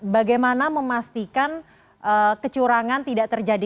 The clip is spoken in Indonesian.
bagaimana memastikan kecurangan tidak terjadi